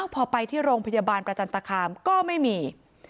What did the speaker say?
พอไปที่โรงพยาบาลประจันตคามก็ไม่มี